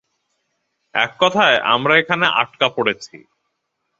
এক কথায়, আমরা এখানে আটকা পড়েছি।